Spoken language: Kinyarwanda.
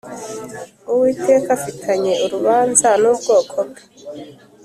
Uwiteka afitanye urubanza n ubwoko bwe